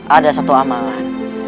ada satu amalan